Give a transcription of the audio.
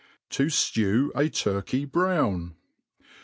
Tojiew a Turkey brown.